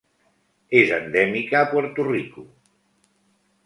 És endèmica a Puerto Rico.